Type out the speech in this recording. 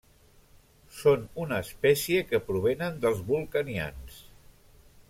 Són una espècie que provenen dels vulcanians.